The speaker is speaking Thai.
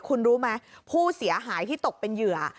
คุณรู้ไหมผู้เสียหายที่ตกเป็นเหยื่อ